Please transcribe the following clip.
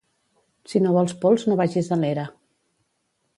Si no vols pols no vagis a l'era